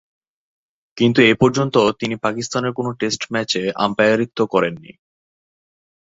কিন্তু এ পর্যন্ত তিনি পাকিস্তানের কোন টেস্ট ম্যাচে আম্পায়ারিত্ব করেননি।